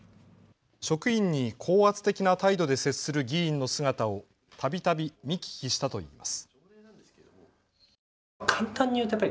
職員に高圧的な態度で接する議員の姿をたびたび見聞きしたといいます。